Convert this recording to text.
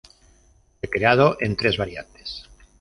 Fue creado en tres variantes.